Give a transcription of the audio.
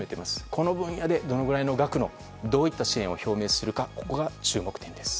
この分野でどのくらいの額のどういった支援を表明するかが注目点です。